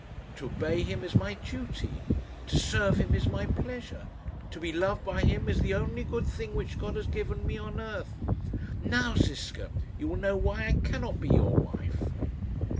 To obey him is my duty; to serve him is my pleasure. To be loved by him is the only good thing which God has given me on earth. Now, Ziska, you will know why I cannot be your wife."